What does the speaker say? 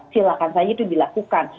silakan saja itu dilakukan